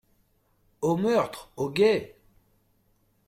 Au meurtre !… au guet !